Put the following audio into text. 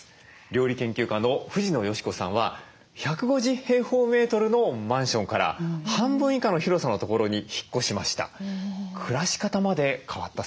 料理研究家の藤野嘉子さんは１５０のマンションから半分以下の広さの所に引っ越しました。